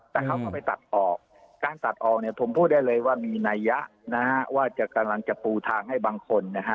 แต่เขาก็ไปตัดออกการตัดออกเนี่ยผมพูดได้เลยว่ามีนัยยะนะฮะว่าจะกำลังจะปูทางให้บางคนนะฮะ